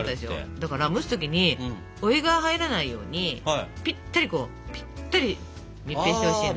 だから蒸す時にお湯が入らないようにピッタリこうピッタリ密閉してほしいの。